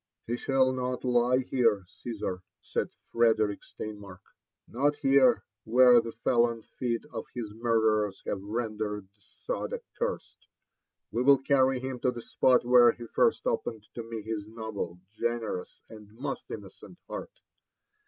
'• He shall not lie here, Caesar," said Frederick Sleinmark,— " not here, where the felon feet of his murderers have rendered the sod ac cursed. ' We will carry him to the spot where he first opened to me his noble, generous, and most innocent heart.